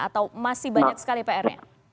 atau masih banyak sekali pr nya